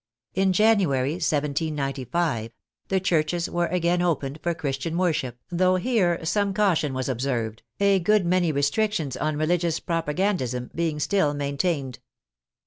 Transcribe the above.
In January, 1795, the churches were again opened for Christian worship, though here some caution was observed, a good many restrictions on religious propagandism being still main tained.